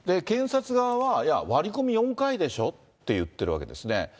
検察側はいや、割り込み４回でしょって言ってるわけですね。